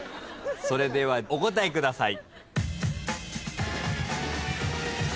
それではお答えください。